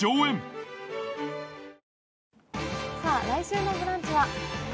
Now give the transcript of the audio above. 来週のブランチは？